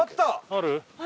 ある？